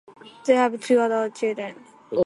They have two adult children.